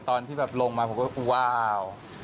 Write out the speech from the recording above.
ตอนที่ลงมาผมก็ว้าว